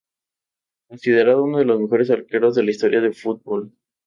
Es considerado uno de los mejores arqueros de la historia del fútbol.